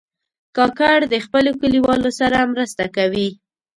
کاکړ د خپلو کلیوالو سره مرسته کوي.